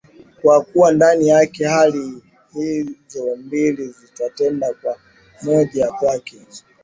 kwa kuwa ndani yake hali hizo mbili zinatenda kila moja ya kwake